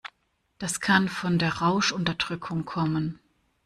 Das kann von der Rauschunterdrückung kommen.